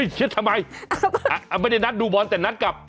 เช็ดทำไมไม่ได้นัดดูบอลแต่นัดกับ